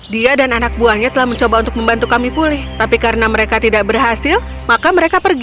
dia dan anak buahnya telah mencoba untuk membantu kami pulih tapi karena mereka tidak berhasil maka mereka pergi